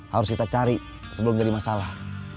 harus kita cari sebelum jadi masalah